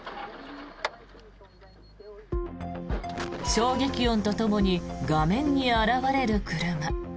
衝撃音とともに画面に現れる車。